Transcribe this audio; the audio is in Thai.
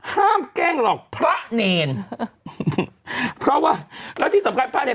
แกล้งหลอกพระเนรเพราะว่าแล้วที่สำคัญพระเนร